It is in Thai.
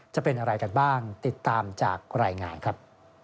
จะเป็นอะไรกันบ้างติดตามจากรายงานครับ